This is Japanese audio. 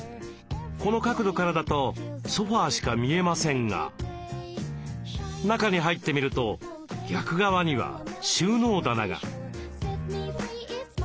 この角度からだとソファーしか見えませんが中に入ってみると逆側には収納棚が。